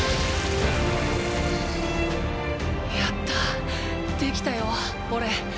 やったできたよおれ。